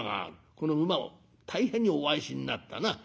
この馬を大変にお愛しになったな。